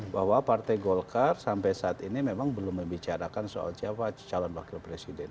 bahwa partai golkar sampai saat ini memang belum membicarakan soal siapa calon wakil presiden